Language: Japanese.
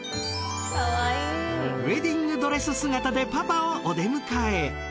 ウェディングドレス姿でパパをお出迎え。